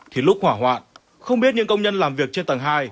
thì lúc hỏa hoạn không biết những công nhân làm việc trên tầng hai